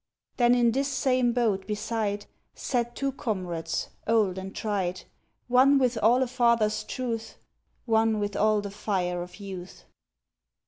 Then in this same boat beside. Sat two comrades old and tried, One with all a father's truth, One with all the fire of youth.